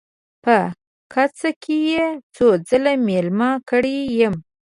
په کڅ کې یې څو ځله میلمه کړی یم.